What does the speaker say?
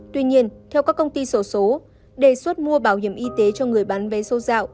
tuy nhiên theo các công ty sổ số đề xuất mua bảo hiểm y tế cho người bán vé số dạo